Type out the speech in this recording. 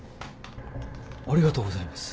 ありがとうございます。